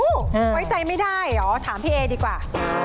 ไว้ใจไม่ได้เหรอถามพี่เอดีกว่า